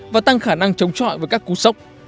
và tăng khả năng chống chọi với các cú sốc